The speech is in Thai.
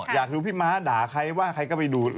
อยากดูพี่ม้าด่าใครว่าใครก็ไปดู